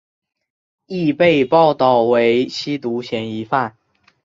亦被报导为吸毒嫌疑犯。